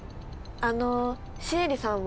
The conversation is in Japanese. あのシエリさんは？